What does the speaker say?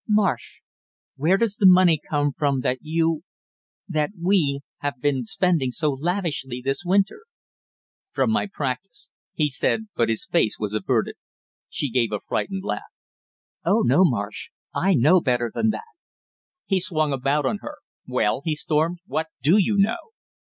"Marsh, where does the money come from that you that we have been spending so lavishly this winter?" "From my practice," he said, but his face was averted. She gave a frightened laugh. "Oh, no, Marsh, I know better than that!" He swung about on her. "Well," he stormed, "what do you know?"